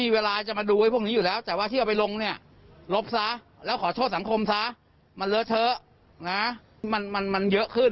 วันวันละกิจศพเท่านั้น